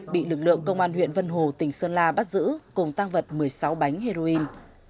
bị lực lượng công an huyện vân hồ tỉnh sơn la bắt giữ cùng tăng vật một mươi sáu bánh heroin